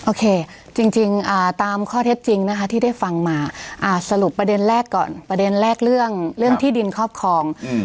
โอเคจริงตามข้อเท็จจริงนะคะที่ได้ฟังมาสรุปประเด็นแรกก่อนประเด็นแรกเรื่องที่ดินครอบครอง